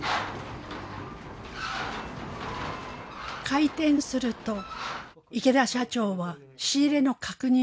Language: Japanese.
開店すると池田社長は仕入れの確認